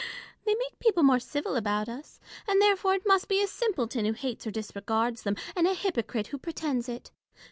They make people more civil about us ; and therefore it must be a simpleton who hates or disregards them, and a hypocrite who pretends it.